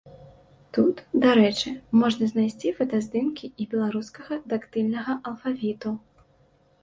Тут, дарэчы, можна знайсці фотаздымкі і беларускага дактыльнага алфавіту.